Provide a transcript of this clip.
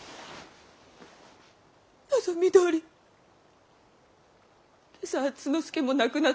望みどおり今朝敦之助も亡くなったぞ。